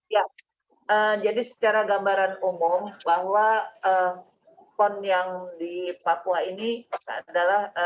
ya jadi secara gambaran umum bahwa pon yang di papua ini adalah